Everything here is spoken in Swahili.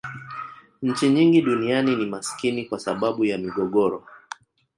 nchi nyingi duniani ni maskini kwa sababu ya migogoro